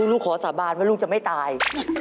ลูกขอสาบานว่าลูกจะไม่ตาย